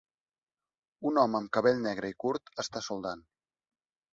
Un home amb cabell negre i curt està soldant.